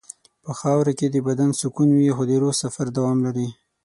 په خاوره کې د بدن سکون وي خو د روح سفر دوام لري.